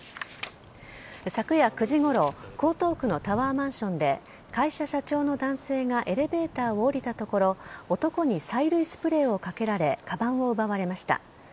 昨夜９時ごろ、江東区のタワーマンションで、会社社長の男性がエレベーターを降りたところ、男に催涙スプレーをかけられ、かばんを奪われました。